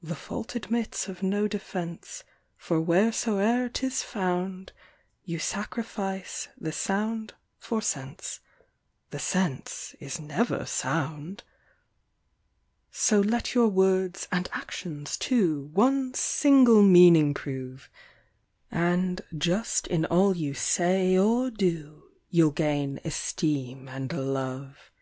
The fault admits of no defence, for wheresoe'er 'tis found, You sacrifice the sound for sense; the sense is never sound. So let your words and actions, too, one single meaning prove, And just in all you say or do, you'll gain esteem and love.